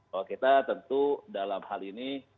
bahwa kita tentu dalam hal ini